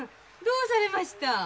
どうされました？